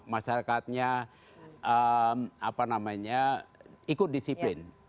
masyarakatnya ikut disiplin